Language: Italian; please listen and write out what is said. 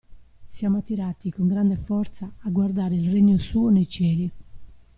Siamo attirati con grande forza a guardare il Regno suo nei cieli.